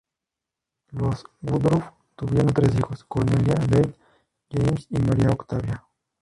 Los Woodruff tuvieron tres hijos: Cornelia Gate, James y Mary Octavia.